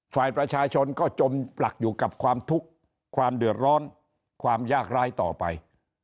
ฝ่ายประชาชนก็จมปลักอยู่กับความทุกข์ความเดือดร้อนความยากร้ายต่อไป